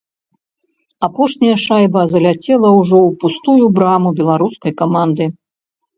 Апошняя шайба заляцела ўжо ў пустую браму беларускай каманды.